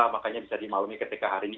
makanya bisa dimaklumi ketika hari ini